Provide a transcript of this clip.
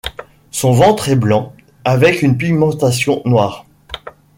Son ventre est blanc avec une pigmentation noire.